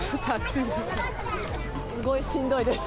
すごいしんどいです。